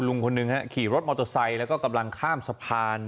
ลุงคนหนึ่งฮะขี่รถมอเตอร์ไซค์แล้วก็กำลังข้ามสะพาน